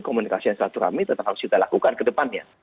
komunikasi yang silaturahmi tetap harus kita lakukan ke depannya